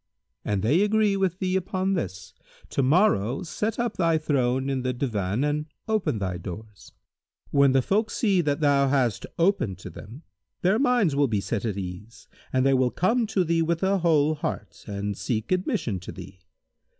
An they agree with thee upon this, to morrow set up thy throne in the Divan[FN#161] and open thy doors. When the folk see that thou hast opened to them their minds will be set at ease and they will come to thee with a whole heart, and seek admission to thee.